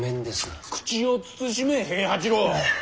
口を慎め平八郎。